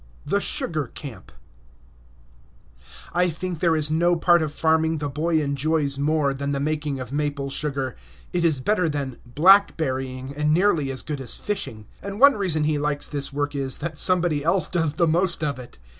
THE SUGAR CAMP I think there is no part of farming the boy enjoys more than the making of maple sugar; it is better than "blackberrying," and nearly as good as fishing. And one reason he likes this work is, that somebody else does the most of it.